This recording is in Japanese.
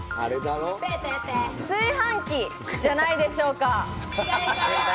炊飯器じゃないでしょうか？